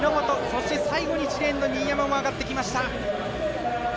そして最後に１レーンの新山が上がってきました。